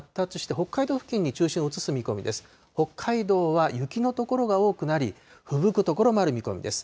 北海道は雪の所が多くなり、ふぶく所もある見込みです。